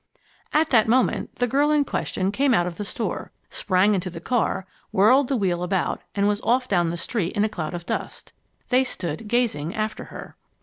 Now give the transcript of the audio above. At that moment, the girl in question came out of the store, sprang into the car, whirled the wheel about, and was off down the street in a cloud of dust. They stood gazing after her.